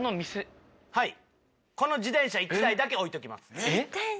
はいこの自転車１台だけ置いときます。